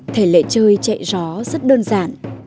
thể lệ chơi chạy rõ rất đơn giản